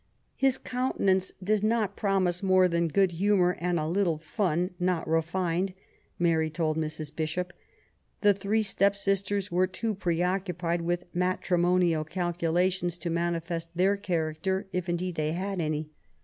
" His countenance does not promise more than good humour and a little fun^ not refined/' Mary told Mrs. Bishop. The three step sisters were too preoccupied with ma trimonial calculations to manifest their character, if indeed they had any.